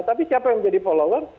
tapi siapa yang menjadi follower